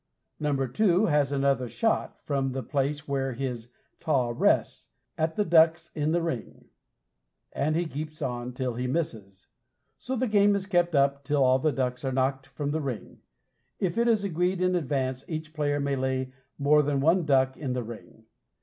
Number two has another shot, from the place where his taw rests, at the ducks in the ring, and he keeps on till he misses. So the game is kept up till all the ducks are knocked from the ring. If it is agreed in advance, each player may lay more than one duck in the ring.